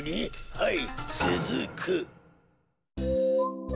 はい。